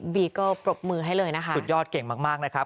บีเกิ้ปรบมือให้เลยนะคะสุดยอดเก่งมากนะครับ